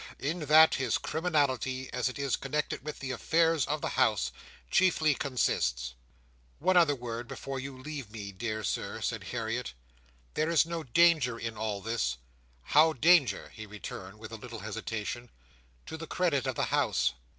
In that, his criminality, as it is connected with the affairs of the House, chiefly consists." "One other word before you leave me, dear Sir," said Harriet. "There is no danger in all this?" "How danger?" he returned, with a little hesitation. "To the credit of the House?"